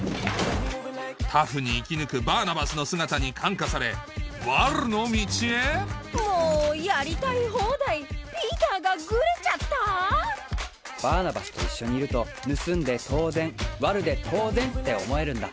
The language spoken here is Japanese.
タフに生き抜くバーナバスの姿に感化されもうやりたい放題ピーターがグレちゃった⁉バーナバスと一緒にいると盗んで当然ワルで当然って思えるんだ。